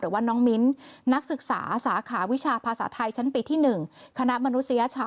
หรือว่าน้องมิ้นนักศึกษาสาขาวิชาภาษาไทยชั้นปีที่๑คณะมนุษยชา